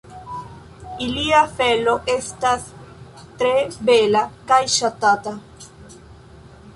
Ilia felo estas tre bela kaj ŝatata.